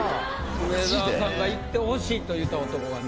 梅沢さんが行ってほしいと言うた男が７位。